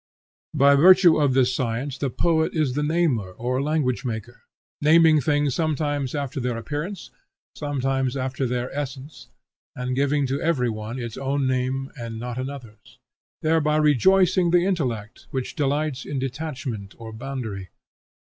By virtue of this science the poet is the Namer or Language maker, naming things sometimes after their appearance, sometimes after their essence, and giving to every one its own name and not another's, thereby rejoicing the intellect, which delights in detachment or boundary.